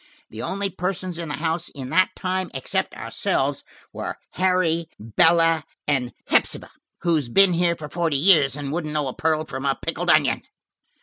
The only persons in the house in that time, except ourselves, were Harry, Bella and Hepsibah, who's been here for forty years and wouldn't know a pearl from a pickled onion."